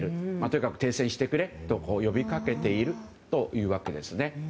とにかく停戦してくれと呼びかけているというわけですね。